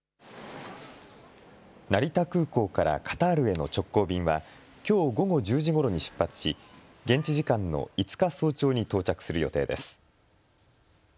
成田空港からカタールへの直行便はきょう午後１０時ごろに出発し現地時間の５日早朝に到着する予定です。